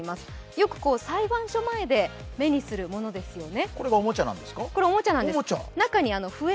よく裁判所前で目にするものですよね。